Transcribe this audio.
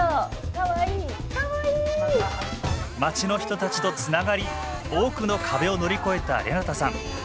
町の人たちとつながり多くの壁を乗り越えたレナタさん。